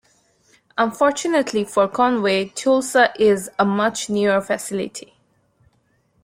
Unfortunately for Conway, Tulsa is a much newer facility.